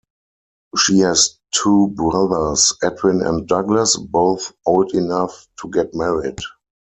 She has two brothers, Edwin and Douglas, both old enough to get married.